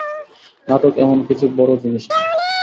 নাটক এমন-কিছু বড় জিনিস না।